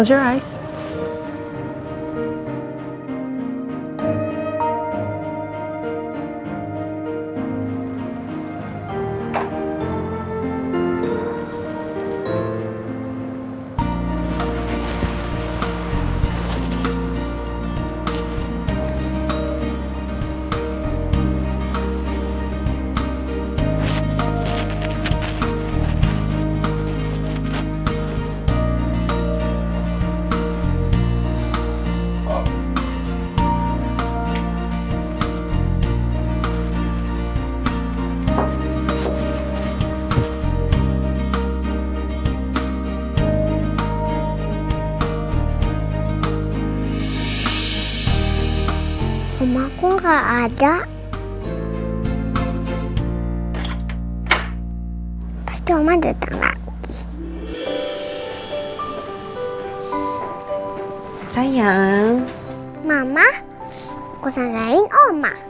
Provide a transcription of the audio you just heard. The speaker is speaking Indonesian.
selamat malam sayangku